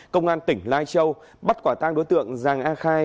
công an tỉnh lai châu bắt quả tang đối tượng giàng a khai